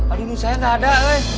aduh lu saya gak ada